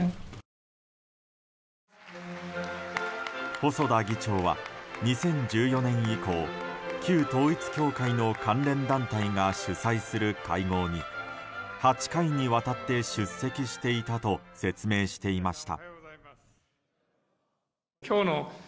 細田議長は２０１４年以降旧統一教会の関連団体が主催する会合に８回にわたって出席していたと説明していました。